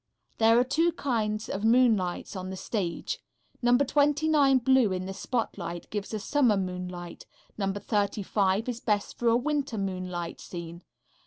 There are two kinds of moonlights on the stage. Number 29 blue in the spotlight gives a summer moonlight; number 35 is best for a winter moonlight scene.